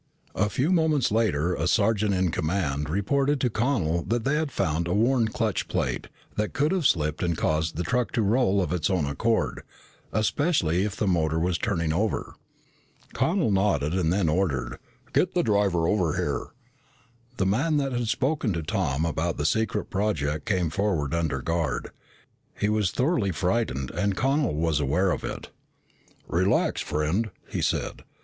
A few moments later the sergeant in command reported to Connel that they had found a worn clutch plate that could have slipped and caused the truck to roll of its own accord, especially if the motor was turning over. Connel nodded and then ordered, "Get the driver over here." The man that had spoken to Tom about the secret project came forward under guard. He was thoroughly frightened and Connel was aware of it. "Relax, friend," he said.